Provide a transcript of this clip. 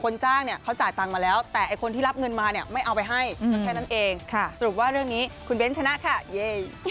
นั่นเองค่ะสรุปว่าเรื่องนี้คุณเบ้นชนะค่ะเย้